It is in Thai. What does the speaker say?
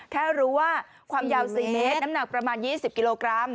แค่รู้ว่าความยาว๔เมตรน้ำหนักประมาณ๒๐กิโลกรัม